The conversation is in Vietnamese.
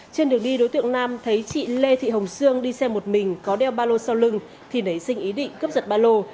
trên đường đi đối tượng nam thấy chị lê thị hồng sương đi xe một mình có đeo ba lô sau lưng thì nảy sinh ý định cướp giật ba lô